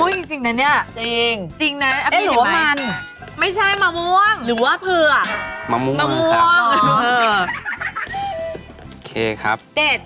เสร็จแล้วครับของเชฟ